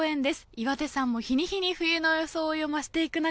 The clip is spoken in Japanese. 岩手山も日に日に冬の装いを増していく中